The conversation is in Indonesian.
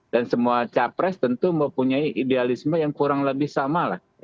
dan semua capres tentu mempunyai idealisme yang kurang lebih sama lah